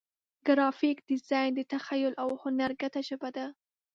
ګرافیک ډیزاین د تخیل او هنر ګډه ژبه ده.